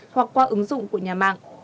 hoặc qua ứng dụng của nhà mạng